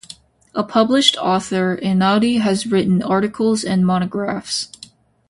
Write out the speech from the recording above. A published author, Einaudi has written articles and monographs.